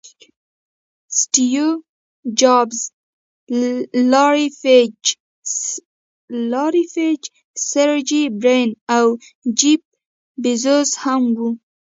سټیو جابز، لاري پیج، سرجي برین او جیف بیزوز هم وو.